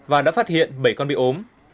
và đã phát hiện bảy con bị ốm